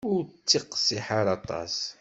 Ur ttiqsiḥ ara aṭas.